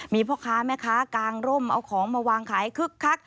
มีพ่อค้าแม่ค้ากางร่มเอาของมาวางขายคึกคัก